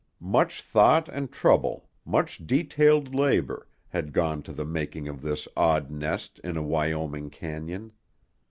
Much thought and trouble, much detailed labor, had gone to the making of this odd nest in a Wyoming cañon.